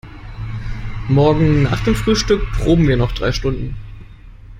Morgen nach dem Frühstück proben wir noch drei Stunden.